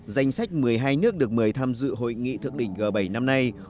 danh sách một mươi hai nước được mời tham dự hội nghị thượng đỉnh g bảy năm nay